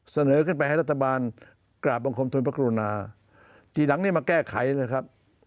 เสนอขึ้นไปให้รัฐบาลกราบบังคมทุนพระกรุณาทีหลังเนี่ยมาแก้ไขนะครับ